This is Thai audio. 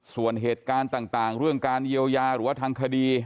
ส่วนเหตุการณ์ต่างเรื่องการเยียวยาหรือว่าทางคดี